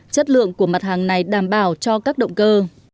chất lượng của mặt hàng này đảm bảo cho các động cơ